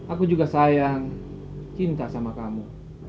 aku juga sayang cinta sama kamu